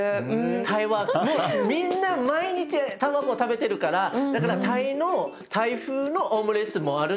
タイはみんな毎日卵食べてるからだからタイのタイ風のオムレツもあるんだよね。